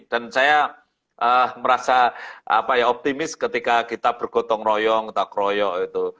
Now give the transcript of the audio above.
dan saya merasa optimis ketika kita bergotong royong atau keroyok itu